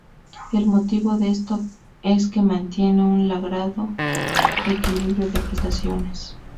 El motivo de esto es que mantiene un logrado equilibrio de prestaciones.